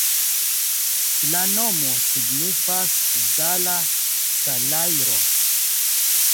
La nomo signifas: Zala-salajro.